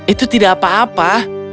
itu tidak apa apa